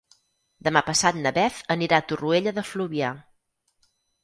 Demà passat na Beth anirà a Torroella de Fluvià.